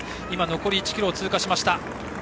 残り１ｋｍを通過しました。